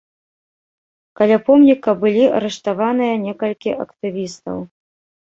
Каля помніка былі арыштаваныя некалькі актывістаў.